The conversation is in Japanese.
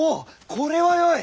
これはよい。